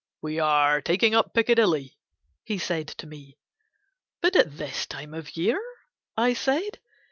"We are taking up Picadilly," he said to me. "But at this time of year?" I said.